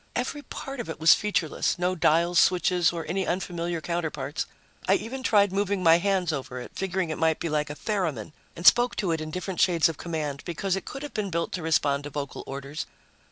Every part of it was featureless no dials, switches or any unfamiliar counterparts. I even tried moving my hands over it, figuring it might be like a theramin, and spoke to it in different shades of command, because it could have been built to respond to vocal orders.